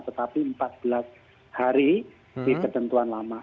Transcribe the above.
tetapi empat belas hari di ketentuan lama